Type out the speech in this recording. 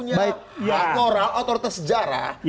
anda tidak punya moral otoritas sejarah